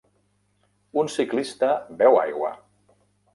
Un ciclista beu aigua